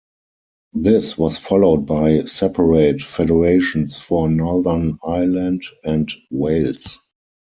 This was followed by separate Federations for Northern Ireland and Wales.